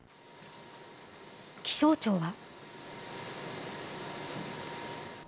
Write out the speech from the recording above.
気象庁は。